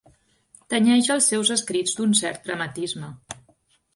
Tenyeix els seus escrits d'un cert dramatisme.